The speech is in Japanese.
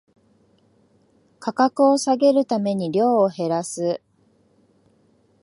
価格を下げるために量を減らす